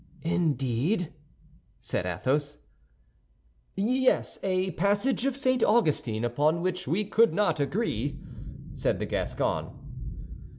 "Indeed?" said Athos. "Yes; a passage of St. Augustine, upon which we could not agree," said the Gascon.